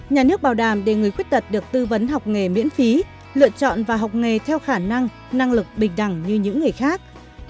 một nhà nước bảo đảm để người khuyết tật được tư vấn học nghề miễn phí lựa chọn và học nghề theo khả năng năng lực bình đẳng như những người khác